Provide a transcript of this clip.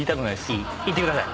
言ってください。